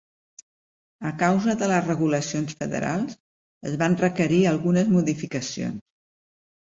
A causa de les regulacions federals, es van requerir algunes modificacions.